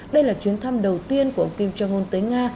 đây là chuyến thăm đầu tiên của ông kim jong un tới nga